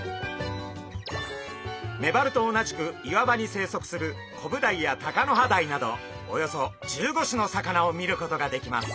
メバルと同じく岩場に生息するコブダイやタカノハダイなどおよそ１５種の魚を見ることができます。